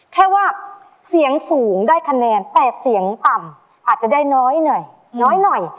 แค่ว่าเสียงสูงได้คะแนนแต่เสียงต่ำอาจจะได้น้อยหน่อยน้อยหน่อย